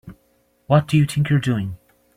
What do you think you're doing?